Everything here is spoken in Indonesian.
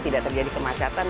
tidak terjadi kemacatan